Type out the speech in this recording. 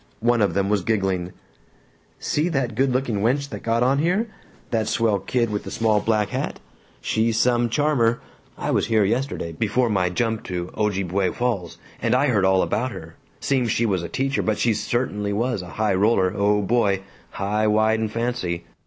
One of them was giggling, "See that good looking wench that got on here? The swell kid with the small black hat? She's some charmer! I was here yesterday, before my jump to Ojibway Falls, and I heard all about her. Seems she was a teacher, but she certainly was a high roller O boy! high, wide, and fancy!